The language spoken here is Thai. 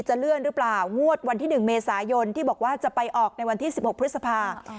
เลื่อนหรือเปล่างวดวันที่๑เมษายนที่บอกว่าจะไปออกในวันที่๑๖พฤษภา